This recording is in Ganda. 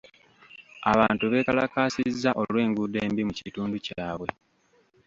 Abantu beekalakaasizza olw'enguudo embi mu kitundu kyabwe.